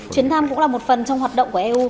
chuyến thăm cũng là một phần trong hoạt động của eu